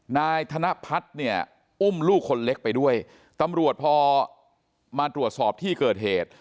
นายธนพัฒน์เนี่ยอุ้มลูกคนเล็กไปด้วยตำรวจพอมาตรวจสอบที่เกิดเหตุ